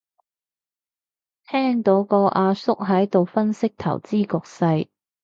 聽到個阿叔喺度分析投資局勢